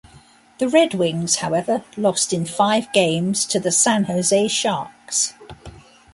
The Red Wings, however, lost in five games to the San Jose Sharks.